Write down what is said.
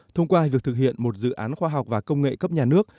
thông qua việc thực hiện một dự án khoa học và công nghệ cấp nhà nước